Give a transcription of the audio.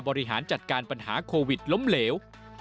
บริหารจัดการปัญหาโควิดล้มเหลว